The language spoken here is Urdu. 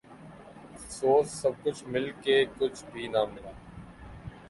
افسوس سب کچھ مل کے کچھ بھی ناں ملا